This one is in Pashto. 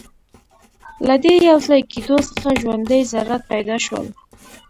له دې یوځای کېدو څخه ژوندۍ ذرات پیدا شول.